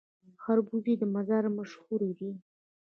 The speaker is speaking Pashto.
خربوزې د مزار مشهورې دي